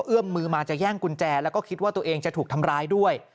เอื้อมมือมาจะแย่งกุญแจแล้วก็คิดว่าตัวเองจะถูกทำร้ายด้วย